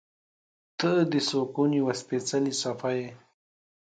• ته د سکون یوه سپېڅلې څپه یې.